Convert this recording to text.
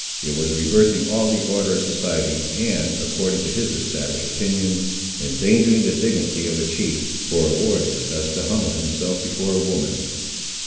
It was reversing all the order of society, and, according to his established opinions, endangering the dignity of a chief, for a warrior thus to humble himself before a woman.